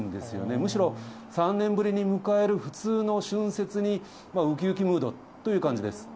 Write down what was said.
むしろ３年ぶりに迎える普通の春節に、うきうきムードという感じです。